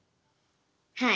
はい。